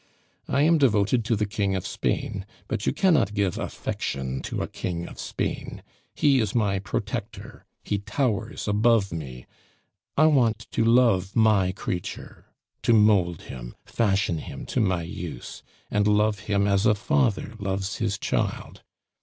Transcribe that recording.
I am devoted to the King of Spain, but you cannot give affection to a King of Spain; he is my protector, he towers above me. I want to love my creature, to mould him, fashion him to my use, and love him as a father loves his child.